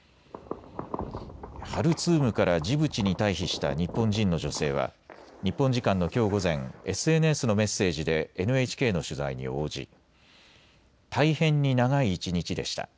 ハルツームからジブチに退避した日本人の女性は日本時間のきょう午前、ＳＮＳのメッセージでＮＨＫの取材に応じ大変に長い一日でした。